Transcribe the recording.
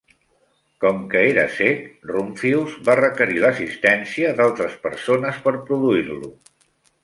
Com que era cec, Rumphius va requerir l'assistència d'altres persones per produir-lo.